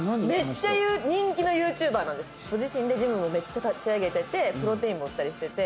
ご自身でジムもめっちゃ立ち上げててプロテインも売ったりしてて。